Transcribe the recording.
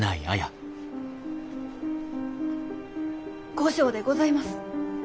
後生でございます。